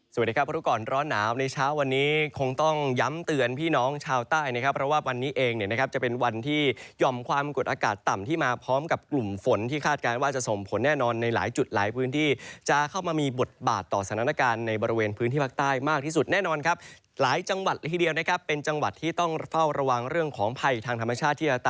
สวัสดีครับพระรุกรร้อนหนาวในเช้าวันนี้คงต้องย้ำเตือนพี่น้องชาวใต้นะครับเพราะว่าวันนี้เองนะครับจะเป็นวันที่ยอมความกดอากาศต่ำที่มาพร้อมกับกลุ่มฝนที่คาดการณ์ว่าจะส่งผลแน่นอนในหลายจุดหลายพื้นที่จะเข้ามามีบทบาทต่อสถานการณ์ในบริเวณพื้นที่พักใต้มากที่สุดแน่นอนครับหลายจังห